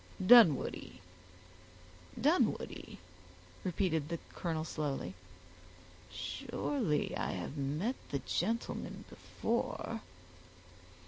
"Dunwoodie, Dunwoodie!" repeated the colonel slowly, "surely I have met the gentleman before."